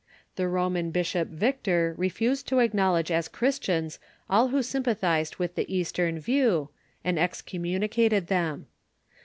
The Roman bishop Victor refused to acknowledge as Christians all who sympathized with the Eastern view, and excommunicated them.